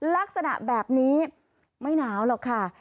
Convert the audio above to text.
ลักษณะแบบนี้ไม่หนาวหรอกค่ะ